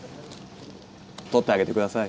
取ってあげてください。